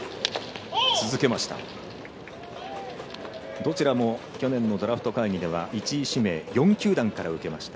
どちらも去年のドラフト会議では１位指名４球団から受けました。